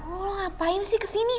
lo ngapain sih kesini hah